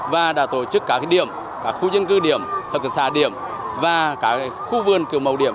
và đã tổ chức các điểm các khu dân cư điểm hợp tác xã điểm và các khu vườn kiểu mẫu điểm